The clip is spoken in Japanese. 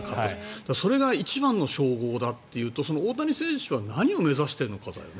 それが一番の称号だっていうと大谷選手は何を目指しているのかだよね。